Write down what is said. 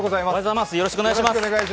よろしくお願いします。